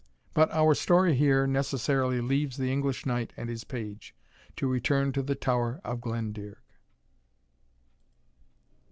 But our story here necessarily leaves the English knight and his page, to return to the Tower of Glendearg.